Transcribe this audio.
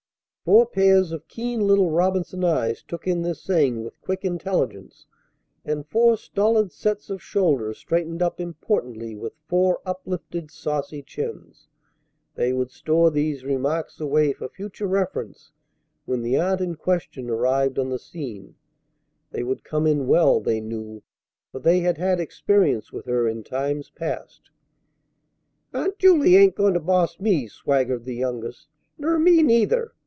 Four pairs of keen little Robinson eyes took in this saying with quick intelligence, and four stolid sets of shoulders straightened up importantly with four uplifted saucy chins. They would store these remarks away for future reference when the aunt in question arrived on the scene. They would come in well, they knew, for they had had experience with her in times past. "Aunt Jule ain't goin' to boss me," swaggered the youngest. "Ner me, neither!"